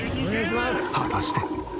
果たして？